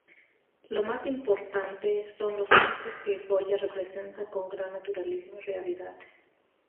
Lo más importante son los tipos que Goya representa con gran naturalismo y realidad.